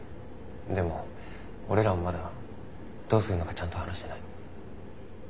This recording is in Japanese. でも俺らもまだどうするのかちゃんと話してない。